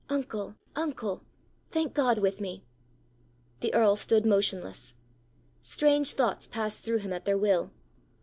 Uncle, uncle! thank God with me." The earl stood motionless. Strange thoughts passed through him at their will.